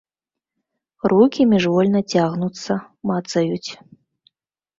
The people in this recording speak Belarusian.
Рукі міжвольна цягнуцца, мацаюць.